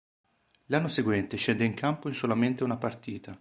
L'anno seguente scende in campo in solamente una partita.